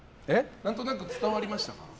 何となく伝わりました？